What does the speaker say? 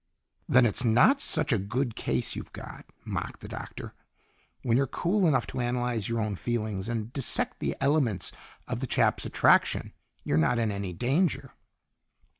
"Then it's not such a serious case you've got," mocked the doctor. "When you're cool enough to analyze your own feelings, and dissect the elements of the chap's attraction, you're not in any danger."